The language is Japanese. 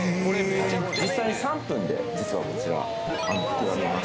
実際に３分でこちら膨らみます。